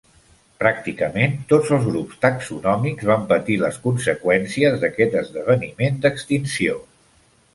Pràcticament tots els grups taxonòmics van patir les conseqüències d'aquest esdeveniment d'extinció.